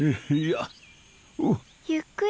ゆっくりね。